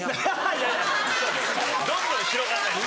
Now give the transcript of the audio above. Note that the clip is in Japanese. いやいやどんどん広がらないです。